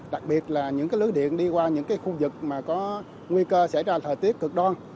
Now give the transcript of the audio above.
đặc biệt là những lưới điện đi qua những khu vực có nguy cơ xảy ra thời tiết cực đoan